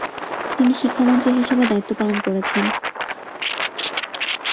তিনি শিক্ষামন্ত্রী হিসেবে দায়িত্বপালন করেছেন।